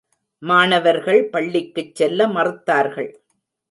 மாணவர்கள் பள்ளிக்குச் செல்ல மறுத்தார்கள்.